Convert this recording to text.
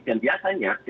dan biasanya dari situ saja